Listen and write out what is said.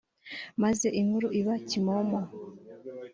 maze inkuru iba kimomo